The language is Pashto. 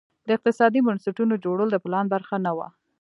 د اقتصادي بنسټونو جوړول د پلان برخه نه وه.